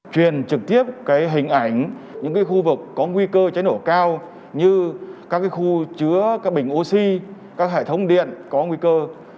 truyền trực tiếp hình ảnh những khu vực có nguy cơ cháy nổ cao như các khu chứa các bình oxy các hệ thống điện có nguy cơ